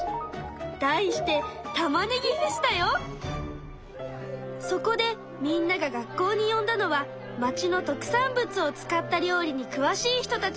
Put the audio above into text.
題して「たまねぎフェス」だよ！そこでみんなが学校によんだのは町の特産物を使った料理に詳しい人たち。